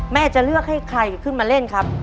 จะเลือกให้ใครขึ้นมาเล่นครับ